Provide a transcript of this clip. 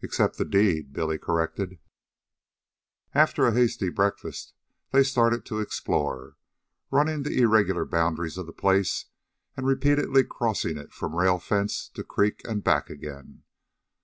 "Except the deed," Billy corrected. After a hasty breakfast, they started to explore, running the irregular boundaries of the place and repeatedly crossing it from rail fence to creek and back again.